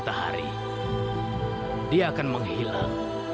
terima kasih abah